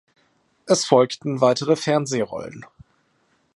Es folgten weitere Fernsehrollen.